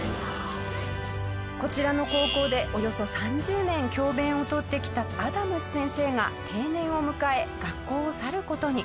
こちらの高校でおよそ３０年教鞭を執ってきたアダムス先生が定年を迎え学校を去る事に。